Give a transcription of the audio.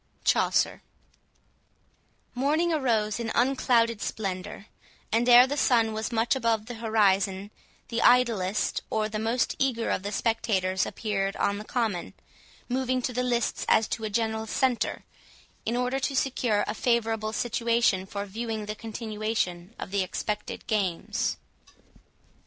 CHAUCER Morning arose in unclouded splendour, and ere the sun was much above the horizon, the idlest or the most eager of the spectators appeared on the common, moving to the lists as to a general centre, in order to secure a favourable situation for viewing the continuation of the expected games.